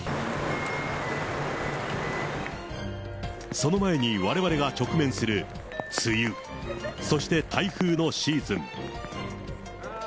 その前にわれわれが直面する梅雨、そして台風のシーズン。